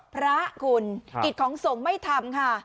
พระกุณฑ์กิตของทรงไม่ทำค่ะ